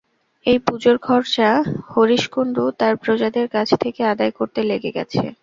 এই পুজোর খরচা হরিশ কুণ্ডু তাঁর প্রজাদের কাছ থেকে আদায় করতে লেগে গেছে।